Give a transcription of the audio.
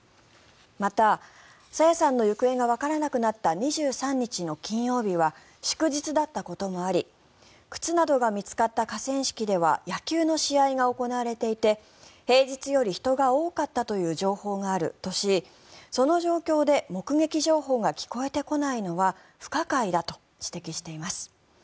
また、朝芽さんの行方がわからなくなった２３日金曜日は祝日だったこともあり靴などが見つかった河川敷では野球の試合が行われていて平日より人が多かったという情報があるとしその状況で目撃情報が聞こえてこないのは不可解だと指摘しています。